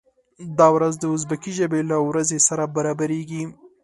دا ورځ د ازبکي ژبې له ورځې سره برابریږي.